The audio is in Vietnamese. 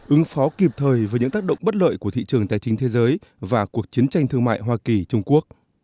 ứng phó kịp thời với những tác động bất lợi của thị trường tài chính thế giới và cuộc chiến tranh thương mại hoa kỳ trung quốc